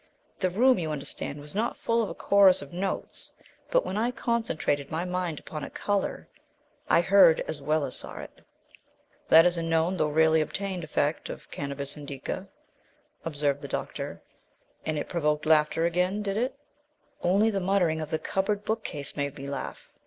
The room, you understand, was not full of a chorus of notes; but when I concentrated my mind upon a colour, I heard, as well as saw, it." "That is a known, though rarely obtained, effect of Cannabis indica," observed the doctor. "And it provoked laughter again, did it?" "Only the muttering of the cupboard bookcase made me laugh.